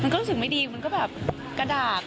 ก็รู้สึกไม่ดีมันก็แบบกระดาษ